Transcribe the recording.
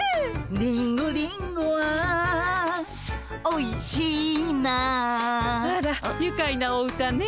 「リンゴリンゴはおいしいな」あらゆかいなお歌ね。